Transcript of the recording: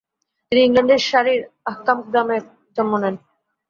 তিনি ইংল্যান্ডের সারি-র অকহাম গ্রামে জন্ম নেন।